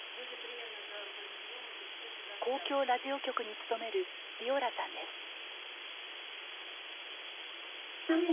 公共ラジオ局に勤めるヴィオラさんです。